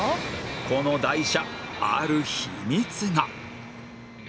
この台車ある秘密が